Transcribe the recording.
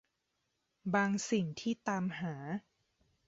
บางสิ่งที่ตามหา